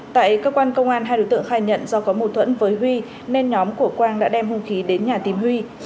tại cơ quan công an hai đối tượng khai nhận do có mâu thuẫn với huy nên nhóm của quang đã đem hung khí đến nhà tìm huy